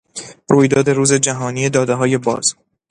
رویداد روز جهانی دادههای باز